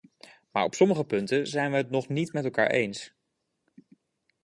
Maar op sommige punten zijn we het nog niet met elkaar eens.